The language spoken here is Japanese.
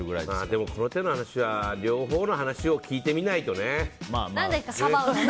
でも、この手の話は両方の話を聞いてみないとね。